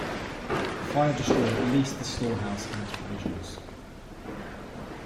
Fire destroyed at least the storehouse and its provisions.